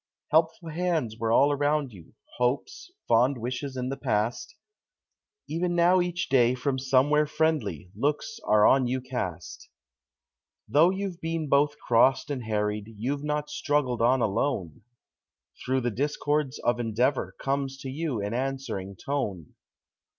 Helpful hands were all around you hopes, fond wishes in the past; Even now each day from somewhere friendly looks are on you cast. Though you've been both crossed and harried, you've not struggled on alone; Through the discords of endeavor comes to you an answering tone.